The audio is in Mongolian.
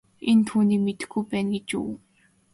Энэ түүнийг мэдэхгүй байна гэж үү.